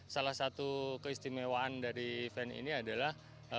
salah satu keistimewaan dari event ini adalah